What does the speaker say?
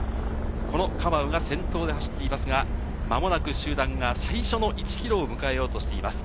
このカマウが先頭で走っていますが、間もなく集団が最初の１ｋｍを迎えようとしています。